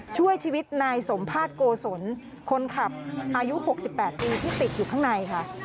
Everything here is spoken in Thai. ช่วยชีวิตนายสมภาษณ์โกศลคนขับอายุ๖๘ปีที่ติดอยู่ข้างในค่ะ